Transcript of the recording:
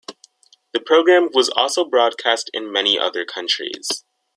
The program was also broadcast in many other countries.